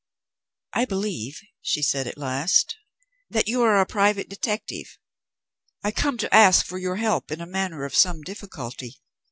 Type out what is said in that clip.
"I believe," she said at last, "that you are a private detective. I come to ask for your help in a matter of some difficulty.